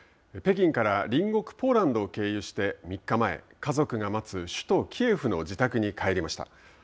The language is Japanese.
北京から隣国ポーランドを経由して３日前、家族が待つ首都キエフの自宅にかわりました。